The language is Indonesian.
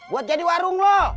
buat jadi warung lo